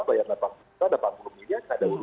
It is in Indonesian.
bayar delapan puluh juta delapan puluh miliar ada